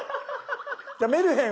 じゃあ「メルヘン」。